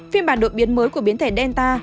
phiên bản đội biến mới của biến thể delta